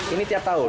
ini tiap tahun